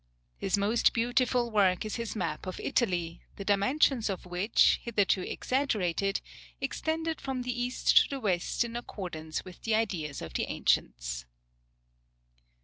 His most beautiful work is his map of Italy, the dimensions of which, hitherto exaggerated, extended from the east to the west in accordance with the ideas of the ancients.